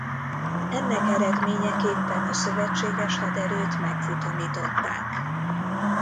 Ennek eredményeképpen a szövetséges haderőt megfutamították.